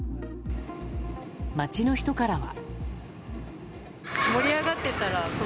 街の人からは。